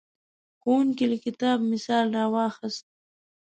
ښوونکی له کتاب مثال راواخیست.